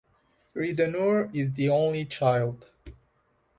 Ridenour is the only child.